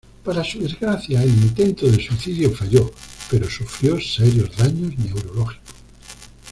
Para su desgracia, el intento de suicidio falló, pero sufrió serios daños neurológicos.